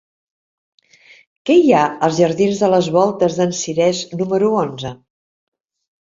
Què hi ha als jardins de les Voltes d'en Cirés número onze?